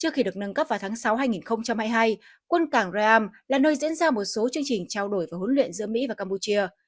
trước khi được nâng cấp vào tháng sáu hai nghìn hai mươi hai quân cảng raam là nơi diễn ra một số chương trình trao đổi và huấn luyện giữa mỹ và campuchia